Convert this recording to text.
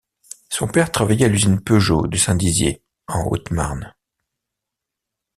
Son père travaillait à l'usine Peugeot de Saint-Dizier en Haute-Marne.